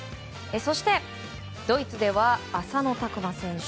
そして、ドイツでは浅野拓磨選手